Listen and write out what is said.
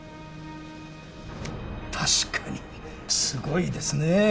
確かにすごいですねぇ。